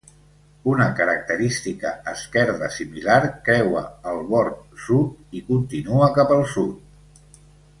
Una característica esquerda similar creua el bord sud i continua cap al sud.